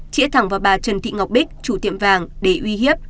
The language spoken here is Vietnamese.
trĩa thẳng vào bà trần thị ngọc bích chủ tiệm vàng để uy hiếp